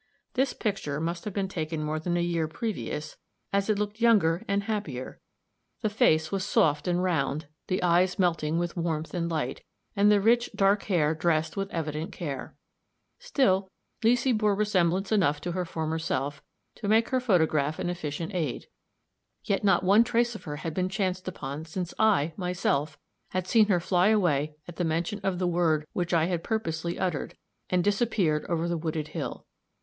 This picture must have been taken more than a year previous, as it looked younger and happier; the face was soft and round, the eyes melting with warmth and light, and the rich, dark hair dressed with evident care. Still, Leesy bore resemblance enough to her former self, to make her photograph an efficient aid. Yet not one trace of her had been chanced upon since I, myself, had seen her fly away at the mention of the word which I had purposely uttered, and disappear over the wooded hill.